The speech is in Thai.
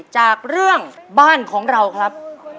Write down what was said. จากเรื่องบ้านของเราครับ